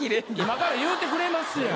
今から言うてくれますやん。